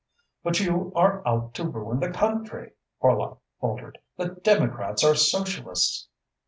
"But you are out to ruin the country!" Horlock faltered. "The Democrats are Socialists."